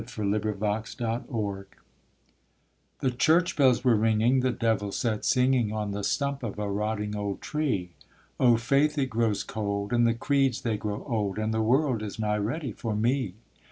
A PARABLE FROM LIEBIG The church bells were ringing, the devil sat singing On the stump of a rotting old tree; 'Oh faith it grows cold, and the creeds they grow old, And the world is nigh ready for me.'